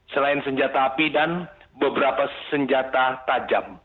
selain senjata api dan beberapa senjata tajam